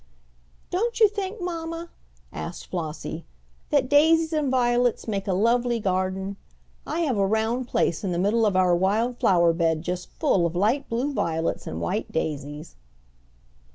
"Don't you think, mamma," asked Flossie, "that daisies and violets make a lovely garden? I have a round place in the middle of our wild flower bed just full of light blue violets and white daisies."